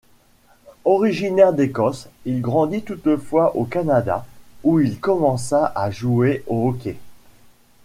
Originaire d'Écosse, il grandit toutefois au Canada où il commença à joueur au hockey.